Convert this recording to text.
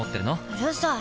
うるさい！